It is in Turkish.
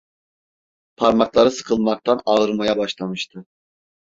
Parmakları sıkılmaktan ağrımaya başlamıştı.